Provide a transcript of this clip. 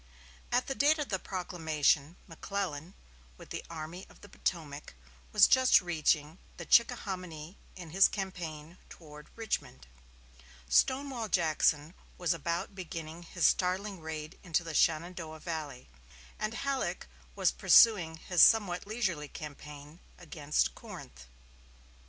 At the date of the proclamation McClellan, with the Army of the Potomac, was just reaching the Chickahominy in his campaign toward Richmond; Stonewall Jackson was about beginning his startling raid into the Shenandoah valley; and Halleck was pursuing his somewhat leisurely campaign against Corinth.